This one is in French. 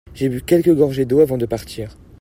J'ai bu quelques gorgées d'eau avant de partir.